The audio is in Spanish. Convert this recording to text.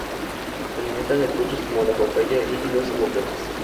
Se alimentan de frutos como la papaya y los aguacates.